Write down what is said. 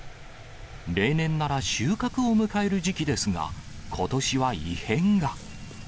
例年なら収穫を迎える時期ですが、ことしは異変が。